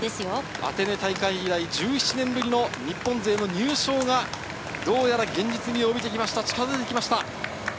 アテネ大会以来、１７年ぶりの日本の入賞が現実味を帯びてきました。